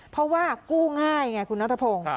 เพราะว่ากู้ง่ายไงคุณนัทพงศ์